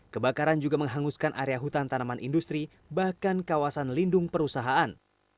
kebakaran juga menghanguskan area hutan tanaman industri bahkan kawasan lindung perusahaan